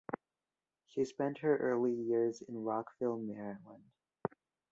She spent her early years in Rockville, Maryland.